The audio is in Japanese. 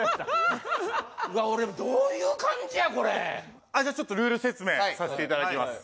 俺どういう感じやこれちょっとルール説明させていただきます